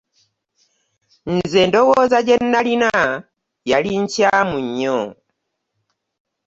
Nze endowooza gye nalina yali nkyamu nnyo.